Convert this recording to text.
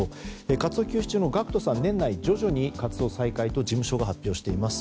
活動休止中のＧＡＣＫＴさんが年内で徐々に活動再開と事務所が発表しています。